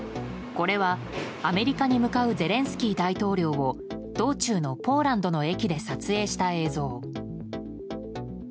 これはアメリカに向かうゼレンスキー大統領を道中のポーランドの駅で撮影した映像。